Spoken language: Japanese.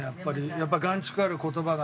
やっぱ含蓄ある言葉が。